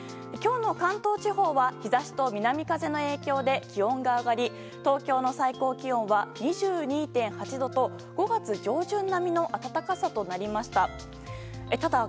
今日の関東地方は、日差しと南風の影響で気温が上がり東京の最高気温は２２．８度と５月上旬並みの暖かさとなりました。